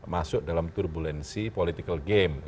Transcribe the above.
masuk dalam turbulensi political game